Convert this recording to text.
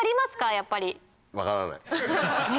やっぱり。ね